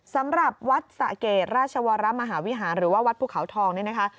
สำหรับวัดสะเกดราชวรมหาวิหารหรือว่าวัดภูเขาทองเนี่ยนะคะ